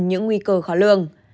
những nguy cơ khó lường